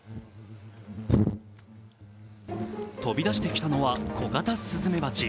飛び出してきたのはコガタスズメバチ。